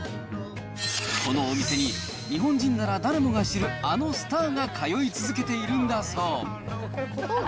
このお店に、日本人なら誰もが知る、あのスターが通い続けているんだそう。